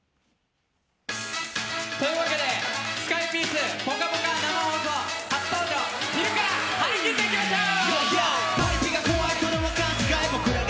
スカイピース「ぽかぽか」生放送初登場、昼から張り切っていきましょう！